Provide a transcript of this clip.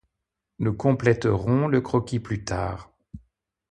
Nous compléterons le croquis plus tard.